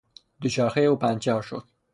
دوچرخهٔ او پنچر شد.